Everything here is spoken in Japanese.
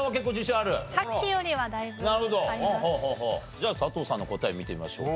じゃあ佐藤さんの答え見てみましょうか。